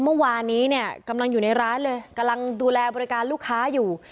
เมื่อวานนี้เนี่ยกำลังอยู่ในร้านเลยกำลังดูแลบริการลูกค้าอยู่